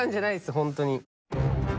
本当に。